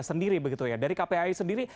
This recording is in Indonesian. sendiri begitu ya dari kpai sendiri